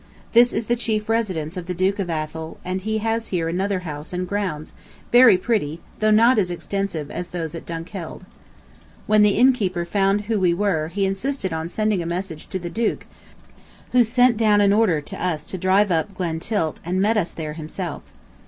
This is the chief residence of the Duke of Athol and he has here another house and grounds very pretty though not as extensive as those at Dunkeld. ... When the innkeeper found who we were he insisted on sending a message to the Duke who sent down an order to us to drive up Glen Tilt and met us there himself.